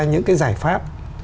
những cái giải pháp